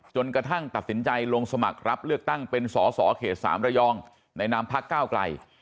จนกระทั่งตัดสินใจลงสมัครรับเลือกตั้งเป็นสอสอเขต๓ระยองในนามพักก้าวไกล